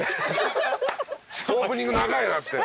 オープニング長いなって。